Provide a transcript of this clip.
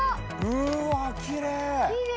うわきれい！